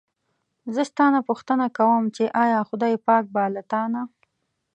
زه ستا نه پوښتنه کووم چې ایا خدای پاک به له تا نه.